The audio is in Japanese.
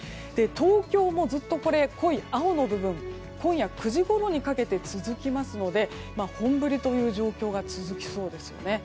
東京も、ずっと濃い青の部分が今夜９時ごろにかけて続きますので本降りという状況が続きそうです。